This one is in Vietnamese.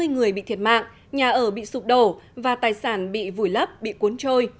hai mươi người bị thiệt mạng nhà ở bị sụp đổ và tài sản bị vùi lấp bị cuốn trôi